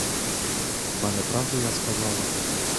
Хіба не правду я сказала?